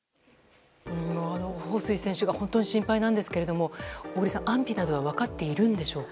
ホウ・スイ選手が本当に心配なんですけど小栗さん、安否などは分かっているんでしょうか？